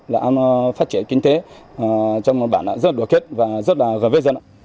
là phát triển kinh tế trong một bản rất là đoạt kết và rất là gần với dân